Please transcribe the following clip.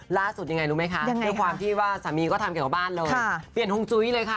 ล่าสุดยังไงรู้ไหมคะด้วยความที่ว่าสามีก็ทำแก่งบ้านเลยค่ะเปลี่ยนห่วงจุ้ยเลยค่ะ